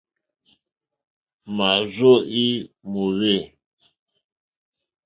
Mârzô í mòwê.